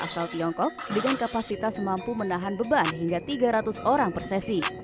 asal tiongkok dengan kapasitas mampu menahan beban hingga tiga ratus orang per sesi